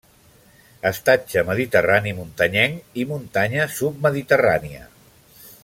Estatge mediterrani muntanyenc i muntanya submediterrània.